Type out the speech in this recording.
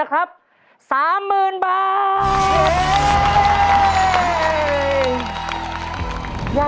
เกะต่อ